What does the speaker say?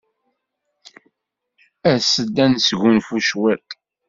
As-d ad nesgunfu cwiṭ.